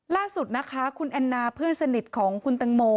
ล่าสุดนะคะคุณแอนนาเพื่อนสนิทของคุณตังโม